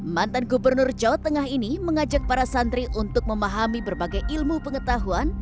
mantan gubernur jawa tengah ini mengajak para santri untuk memahami berbagai ilmu pengetahuan